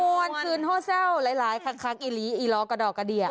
วันคืนห้อเซลล้ายคักอีลีอีล้อกะดอกะเดีย